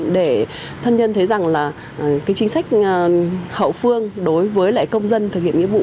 để thân nhân thấy rằng chính sách hậu phương đối với công dân thực hiện nghĩa vụ